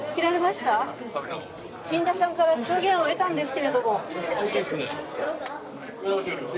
信者さんから証言を得たのですけれども。